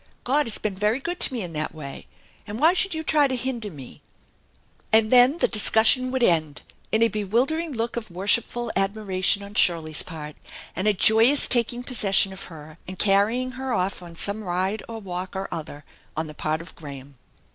God has been very good to me in that way, and why should you try to hinder me ?" And then the discussion would end in a bewildering look of worshipful admiration on Shirley's part and a joyous taking possession of her and carrying her off on some ride or walk 01 other on the part of Graham.